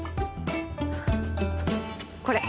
これ！